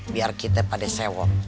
biar kita pada sewok